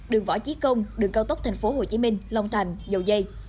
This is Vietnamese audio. đường võ chí công đường cao tốc tp hcm long thành dầu dây